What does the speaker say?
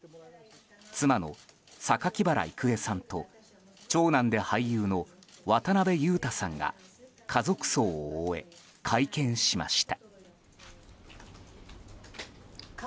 妻の榊原郁恵さんと長男で俳優の渡辺裕太さんが家族葬を終え、会見しました。